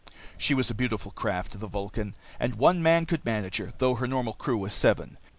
She was a beautiful craft, the Vulcan, and one man could manage her, though her normal crew was seven.